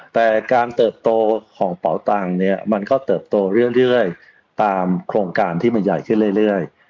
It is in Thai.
แต่การเติบโตของเป๋าตังค์เนี่ยมันก็เติบโตเรื่อยตามโครงการที่มันใหญ่ขึ้นเรื่อย